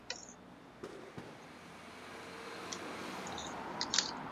巴伐利亚德比一般多指指德国巴伐利亚州的两家球队拜仁慕尼黑和纽伦堡之间的比赛。